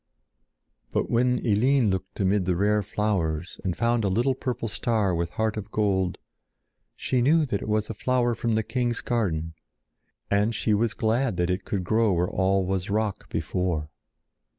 But when Eline looked amid the rare flowers and found a little purple star with heart of gold, she knew that it was a flower from the king's garden, and she was glad that it could grow where all was rock before.